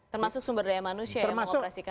termasuk sumber daya manusia yang mengoperasikan